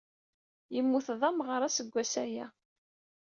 Yemmut d amɣar, aseggas aya.